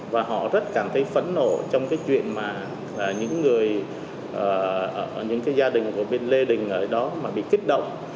và họ rất cảm thấy phấn nổ trong cái chuyện mà những người những gia đình của bên lê đình ở đó mà bị kích động